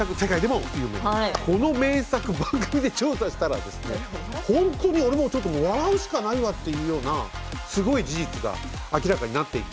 この名作を番組で調査したところ笑うしかないわというぐらいすごい事実が明らかになっていき